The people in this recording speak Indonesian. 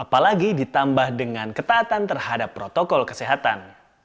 apalagi ditambah dengan ketaatan terhadap protokol kesehatan